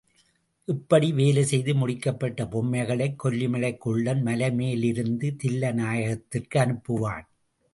இப்படி வேலை செய்து முடிக்கப்பட்ட பொம்மைகளைக் கொல்லிமலைக் குள்ளன் மலை மேல் இருந்த தில்லைநாயகத்திற்கு அனுப்புவான்.